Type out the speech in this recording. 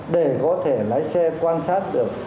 để có thể lái xe quan sát được